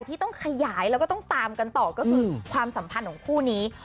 ที่ต้องขยายแล้วก็ต้องตามกันต่อก็คือความสัมพันธ์ของคู่นี้